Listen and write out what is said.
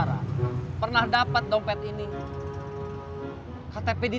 masa itu kita mau ke tempat yang lebih baik